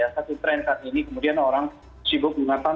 satu tren saat ini kemudian orang sibuk mengatakan